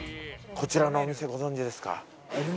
こちらのお店ご存じですか？